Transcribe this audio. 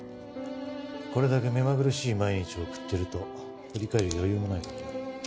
これだけ目まぐるしい毎日を送ってると振り返る余裕もないから。